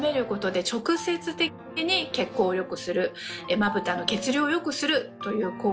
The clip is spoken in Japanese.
まぶたの血流を良くするという効果。